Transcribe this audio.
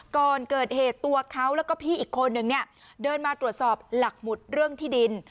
ก่อนเกิดเหตุตัวเขาแล้วก็พี่อีกคนนึงเนี่ยเดินมาตรวจสอบหลักหมุดเรื่องที่ดิน